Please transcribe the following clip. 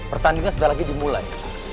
pertandingan sudah lagi dimulai